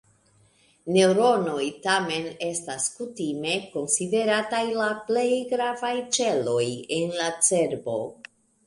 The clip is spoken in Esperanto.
Neŭronoj, tamen, estas kutime konsiderataj la plej gravaj ĉeloj en la cerbo.